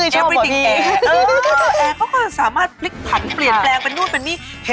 ก็นางเขาชอบตกติดประดอยไงครับคุณแม่